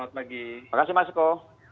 terima kasih mas eko